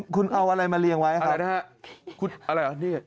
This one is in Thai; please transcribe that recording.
คุณเอาอะไรมาเลี่ยงไว้ครับ